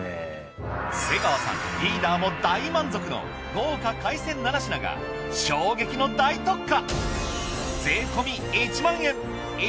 瀬川さんリーダーも大満足の豪華海鮮７品が衝撃の大特価。